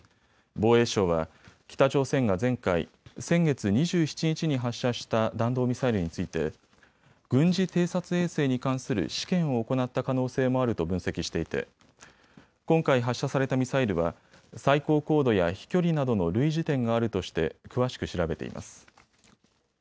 防衛省は、北朝鮮が前回、先月２７日に発射した弾道ミサイルについて軍事偵察衛星に関する試験を行った可能性もあると分析していて今回発射されたミサイルは最高高度や飛距離などの類似点があるとして詳しく調べています。